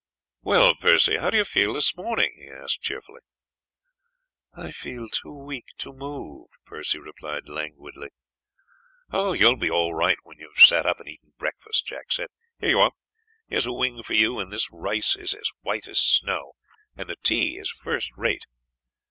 "Well, Percy, how do you feel this morning?" he asked cheerily. "I feel too weak to move," Percy replied languidly. "Oh, you will be all right when you have sat up and eaten breakfast," Jack said. "Here you are; here is a wing for you, and this rice is as white as snow, and the tea is first rate.